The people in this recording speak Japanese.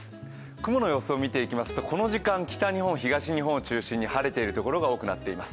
雲の様子を見ていきますとこの時間、北日本、東日本を中心に晴れているところが多くなっています。